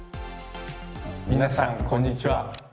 皆さんこんにちは。